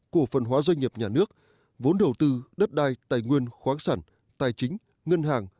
cổ phần hóa doanh nghiệp nhà nước vốn đầu tư đất đai tài nguyên khoáng sản tài chính ngân hàng